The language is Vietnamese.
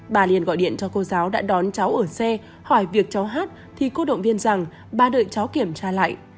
bà liên gọi điện cho cô giáo đã đón cháu ở xe hỏi việc cháu hát thì cô động viên rằng ba đợi cháu kiểm tra lại